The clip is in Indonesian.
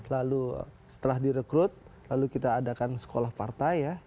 lalu setelah direkrut lalu kita adakan sekolah partai ya